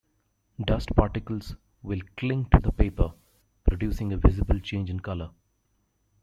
Dust particles will cling to the paper, producing a visible change in color.